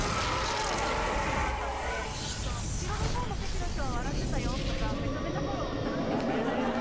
苦労されてる方だったので「後ろの方の席の人は笑ってたよ」とかめちゃめちゃフォローをずっと。